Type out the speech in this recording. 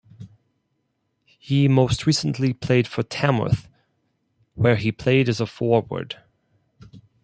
He most recently played for Tamworth, where he played as a forward.